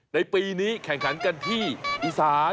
ในปีนี้แข่งขันกันที่อีสาน